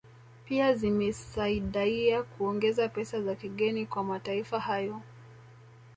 Pia zimesaidaia kuongeza pesa za kigeni kwa mataifa hayo